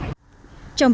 trong đợt nắng nóng